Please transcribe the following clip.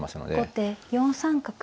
後手４三角。